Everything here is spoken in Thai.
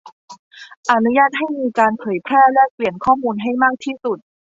อนุญาตให้มีการเผยแพร่แลกเปลี่ยนข้อมูลให้มากที่สุด